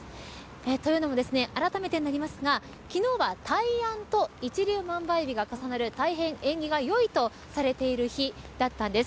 というのもあらためてになりますが昨日は大安と一粒万倍日が重なる大変縁起がよいとされている日だったんです。